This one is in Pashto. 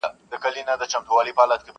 زما له غېږي زما له څنګه پاڅېدلای٫